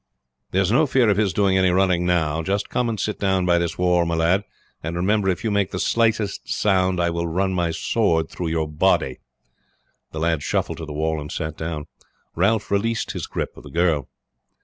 "There is no fear of his doing any running now. Just come and sit down by this wall, my lad, and remember if you make the slightest sound I will run my sword through your body." The lad shuffled to the wall and sat down. Ralph released his grasp of the girl.